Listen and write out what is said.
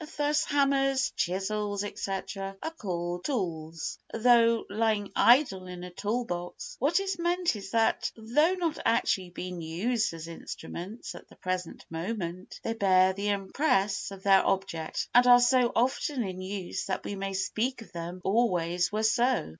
Thus hammers, chisels, etc., are called tools, though lying idle in a tool box. What is meant is that, though not actually being used as instruments at the present moment, they bear the impress of their object, and are so often in use that we may speak of them as though they always were so.